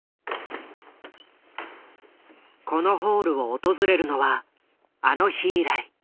このホールを訪れるのはあの日以来。